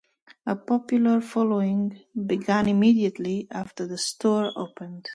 A popular following began immediately after the store opened.